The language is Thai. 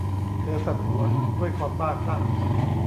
เธอสั่นหัว ด้วยความบ้าคลั่ง